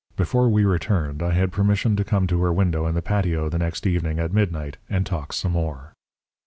Before we returned I had permission to come to her window in the patio the next evening at midnight and talk some more.